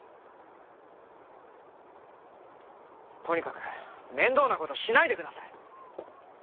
とにかく面倒な事しないでください！